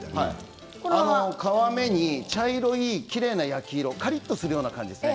皮目に茶色いきれいな焼き色カリっとするような感じですね。